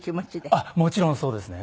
あっもちろんそうですね。